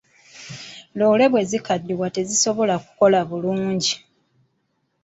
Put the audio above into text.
Loore bwe zikaddiwa tezisobola kukola bulungi.